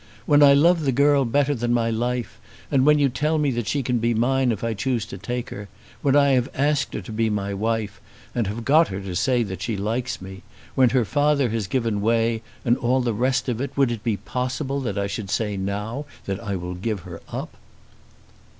"When I love the girl better than my life, and when you tell me that she can be mine if I choose to take her; when I have asked her to be my wife, and have got her to say that she likes me; when her father has given way, and all the rest of it, would it be possible that I should say now that I will give her up?"